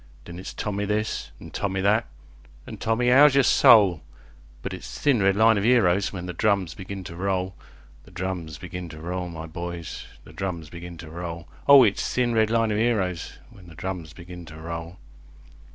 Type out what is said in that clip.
Then it's Tommy this, an' Tommy that, an' "Tommy, 'ow's yer soul?" But it's "Thin red line of 'eroes" when the drums begin to roll, The drums begin to roll, my boys, the drums begin to roll, O it's "Thin red line of 'eroes" when the drums begin to roll.